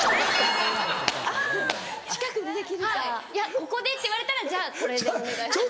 「ここで」って言われたら「じゃあこれでお願いします」。